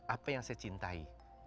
apa yang saya cintai